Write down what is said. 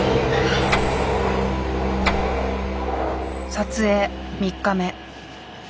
撮影３日目。